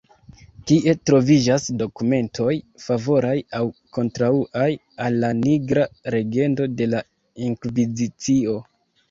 Kie troviĝas dokumentoj favoraj aŭ kontraŭaj al la Nigra legendo de la Inkvizicio.